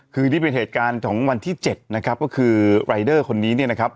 คือนี่เป็นเหตุการณ์ของวันที่๗นะครับก็คือรายเดอร์คนนี้เนี่ยนะครับ